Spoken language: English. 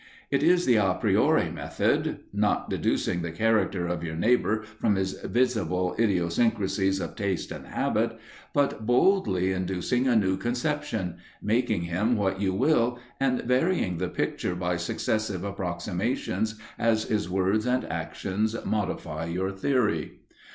It is the apriori method; not deducing the character of your neighbour from his visible idiosyncracies of taste and habit, but boldly inducing a new conception, making him what you will, and varying the picture by successive approximations as his words and actions modify your theory.